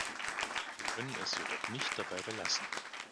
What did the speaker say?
Wir können es jedoch nicht dabei belassen.